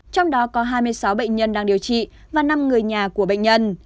trong đó có hai mươi sáu bệnh nhân đang điều trị và năm người nhà của bệnh nhân